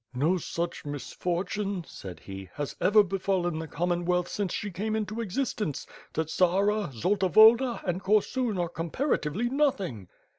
"Xo such misfortune/' said he, "has ever befallen the Commonwealth since she came into existence; Tsetsara, Zolta Woda, and Korsun are comparatively nothing!'